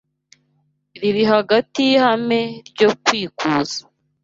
riri hagati y’ihame ryo kwikuza